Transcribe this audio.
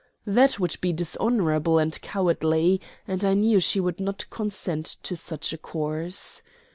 That would be dishonorable and cowardly, and I knew she would not consent to such a course.